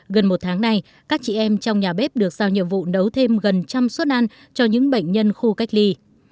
gần một tháng nay các chị em trong nhà bếp được sao nhiệm vụ nấu thêm gần trăm suất ăn cho những bệnh nhân khu cách ly